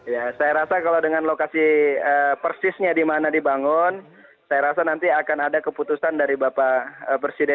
ya saya rasa kalau dengan lokasi persisnya di mana dibangun saya rasa nanti akan ada keputusan dari bapak presiden